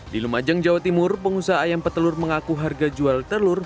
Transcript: di lumajang jawa timur pengusaha ayam petelur mengaku harga jual telur